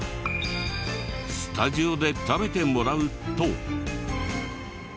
スタジオで食べてもらうと。